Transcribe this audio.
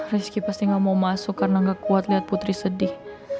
rizky pasti nggak mau masuk karena gak kuat lihat putri sedih